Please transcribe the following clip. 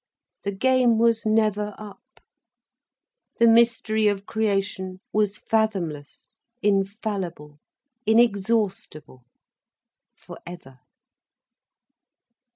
The game was never up. The mystery of creation was fathomless, infallible, inexhaustible, forever.